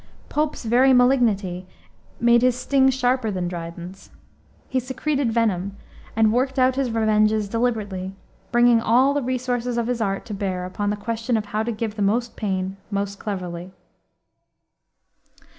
Pope's very malignity made his sting sharper than Dryden's. He secreted venom, and worked out his revenges deliberately, bringing all the resources of his art to bear upon the question of how to give the most pain most cleverly.